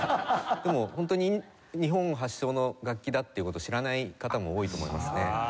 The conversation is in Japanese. でもホントに日本発祥の楽器だっていう事を知らない方も多いと思いますね。